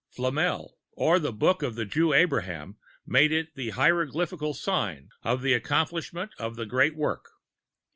Flamel, or the Book of the Jew Abraham, made it the hieroglyphical sign of the accomplishment of the great Work.